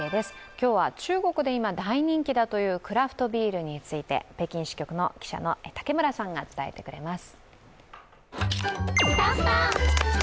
今日は中国で今大人気だというクラフトビールについて、北京支局の記者の竹村さんが伝えてくれます。